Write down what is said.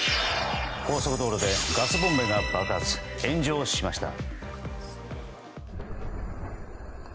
高速道路でガスボンベが爆発炎上しました。